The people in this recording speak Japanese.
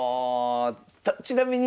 ちなみにあ